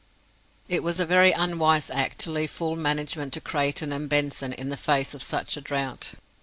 It was a very unwise act to leave full management to Creyton and Benson in the face of such a drought.